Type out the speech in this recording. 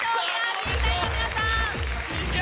審査員の皆さん。